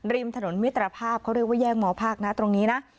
ริมถนนมิตรภาพเขาเรียกว่าแย่งมภาคนะตรงนี้นะ